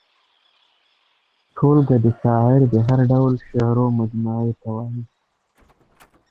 ټولګه د شاعر د هر ډول شعرو مجموعې ته وايي.